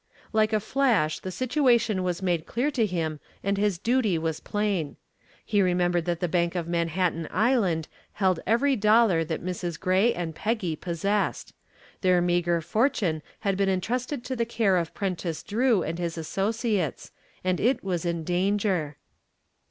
Like a flash the situation was made clear to him and his duty was plain. He remembered that the Bank of Manhattan Island held every dollar that Mrs. Gray and Peggy possessed; their meager fortune had been entrusted to the care of Prentiss Drew and his associates, and it was in danger.